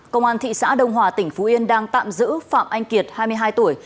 công an thị xã đông hòa tỉnh phú yên đang tạm giữ phạm anh kiệt hai mươi hai tuổi